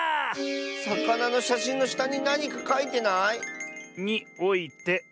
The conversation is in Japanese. さかなのしゃしんのしたになにかかいてない？